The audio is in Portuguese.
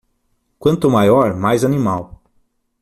Quanto maior, mais animal.